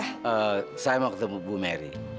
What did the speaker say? eh saya mau ketemu bu merry